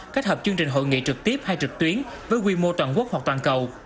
kết hợp chương trình hội nghị trực tiếp hay trực tuyến với quy mô toàn quốc hoặc toàn cầu